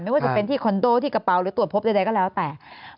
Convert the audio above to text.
ไม่ว่าจะเป็นที่คอนโดที่กระเป๋าหรือตรวจพบใดก็แล้วแต่